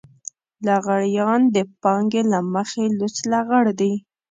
لغړيان د پانګې له مخې لوڅ لغړ دي.